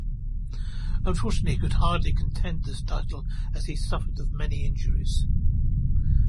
Unfortunately he hardly could contend this title as he suffered of many injuries.